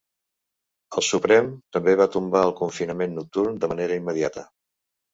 El Suprem també va tombar el confinament nocturn de manera immediata.